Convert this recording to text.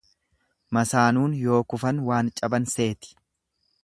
Masaanuun yoo kufan waan caban seeti.